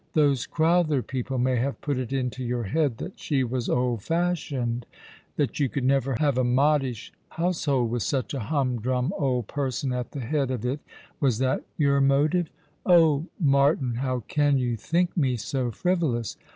Those Crowther people may have put it into your head that she was old fashioned — that you could never have a modish household with such a humdrum old person at the head of it. Was that your motive ?" "Oh, Martin, how can you think me so frivolous?